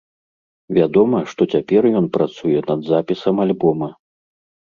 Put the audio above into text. Вядома, што цяпер ён працуе над запісам альбома.